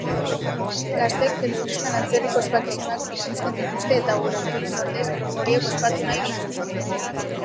Gazteek telebistan atzerriko ospakizunak ikusten dituzte eta gure ohituren ordez horiek ospatu nahi dituzte.